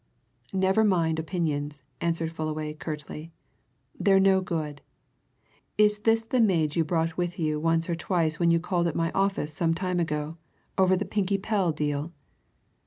"Never mind opinions," answered Fullaway curtly. "They're no good. Is this the maid you brought with you once or twice when you called at my office some time ago, over the Pinkie Pell deal?"